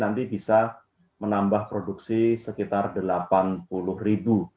nanti bisa menambah produksi sekitar delapan puluh ribu